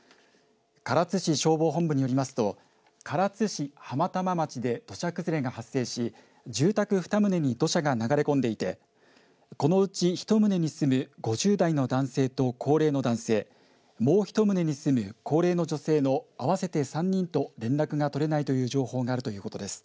唐津市消防本部によりますと唐津市浜玉町で土砂崩れが発生し住宅２棟に土砂が流れ込んでいてこのうち１棟に住む５０代の男性と高齢の男性、もう１棟に住む高齢の女性の合わせて３人と連絡が取れないという情報があるということです。